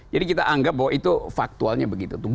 jadi kita anggap bahwa itu faktualnya begitu tuh